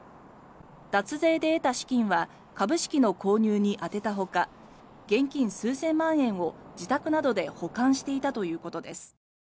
脱税で得た資金は株式の購入に充てたほか現金数千万円を自宅などで保管していたということです。